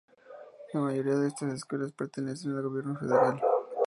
La mayoría de estas escuelas pertenecen al gobierno federal.